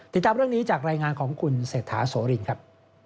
ติดตามเรื่องนี้จากรายงานของคุณเศรษฐาโสรินครับ